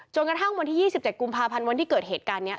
กระทั่งวันที่๒๗กุมภาพันธ์วันที่เกิดเหตุการณ์นี้